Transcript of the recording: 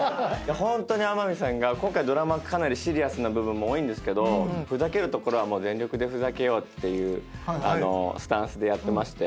ホントに天海さんが今回ドラマかなりシリアスな部分も多いんですけどふざけるところは全力でふざけようっていうスタンスでやってまして。